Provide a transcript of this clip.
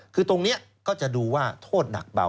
คือตรงนี้ก็จะดูว่าโทษหนักเบา